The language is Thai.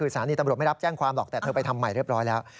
สถานีตำรวจไม่รับแจ้งความหรอกแต่เธอไปทำใหม่เรียบร้อยแล้ว